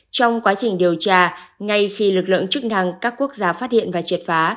trong quá trình điều tra ngay khi lực lượng chức năng các quốc gia phát hiện và triệt phá